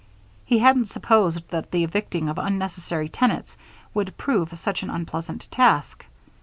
He hadn't supposed that the evicting of unsatisfactory tenants would prove such an unpleasant task.